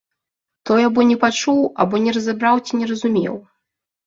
Той або не пачуў, або не разабраў ці не разумеў.